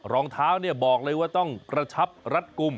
รองเท้าบอกเลยว่าต้องกระชับรัดกุม